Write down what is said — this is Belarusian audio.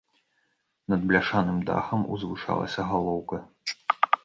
Над бляшаным дахам узвышалася галоўка.